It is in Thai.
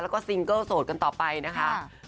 แล้วก็ซิงเกิลโสดกันต่อไปนะคะ